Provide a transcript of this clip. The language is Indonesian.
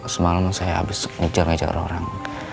semalam saya abis ngejar ngejar orang